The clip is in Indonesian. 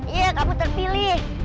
iya kamu terpilih